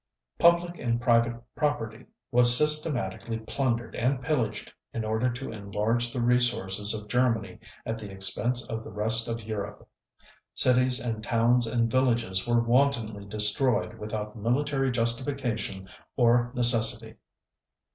Public and private property was systematically plundered and pillaged in order to enlarge the resources of Germany at the expense of the rest of Europe. Cities and towns and villages were wantonly destroyed without military justification or necessity.